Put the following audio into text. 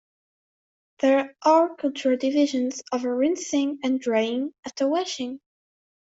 There are cultural divisions over rinsing and drying after washing.